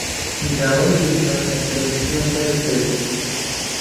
داوای لێ کرا لە تەلەڤیزیۆن دەربکەوێت.